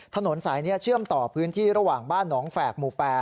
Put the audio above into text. ถนนสายนี้เชื่อมต่อพื้นที่ระหว่างบ้านหนองแฝกหมู่๘